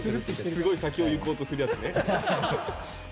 すごい先をいこうとするやつね。